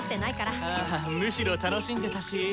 むしろ楽しんでたし。